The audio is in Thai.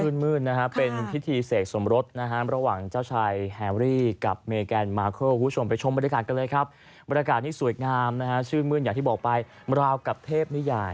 ชื่นมืนนะครับเป็นพิธีเสกสมรส